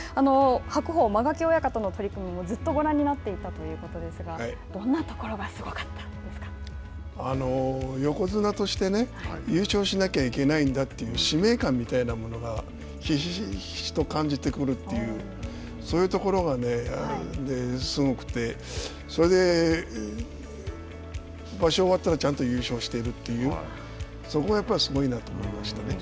白鵬、間垣親方の取組もずっとご覧になっていたということですが横綱としてね優勝しないといけないんだという使命感みたいなものがひしひしと感じてくるっていうそういうところがすごくてそれで、場所終わったらちゃんと優勝してるっていうそこがやっぱりすごいなと思いましたね。